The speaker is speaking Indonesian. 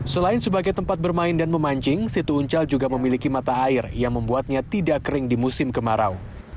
selain sebagai tempat bermain dan memancing situ uncal juga memiliki mata air yang membuatnya tidak kering di musim kemarau